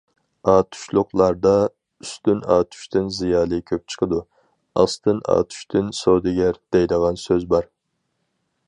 ئاتۇشلۇقلاردا‹‹ ئۈستۈن ئاتۇشتىن زىيالىي كۆپ چىقىدۇ، ئاستىن ئاتۇشتىن سودىگەر››، دەيدىغان سۆز بار.